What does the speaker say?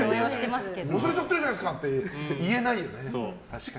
忘れちゃってるじゃないですかって言えないよね。